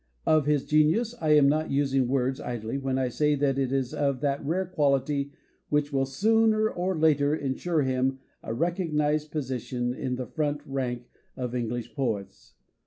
Of his genius I am not using words idly when I say that it is of that rare quality which will sooner or later ensure him a recognised position in the front rank of English poets.